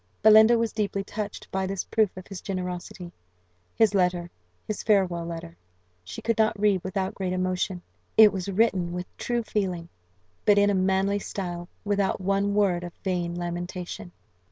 Belinda was deeply touched by this proof of his generosity. His letter his farewell letter she could not read without great emotion. It was written with true feeling, but in a manly style, without one word of vain lamentation.